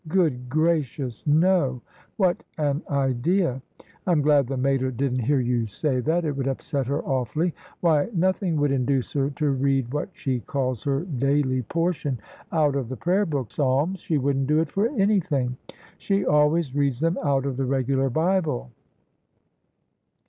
" Grood gracious, no : what an idea! I'm glad the mater didn't hear you say that, it would upset her awfully. Why, nothing would induce her to read what she calls her daily portion out of JHE SUBJECTION the Prayer book psalms: she wouldn't do it for anything. She always reads them out of the regular Bible."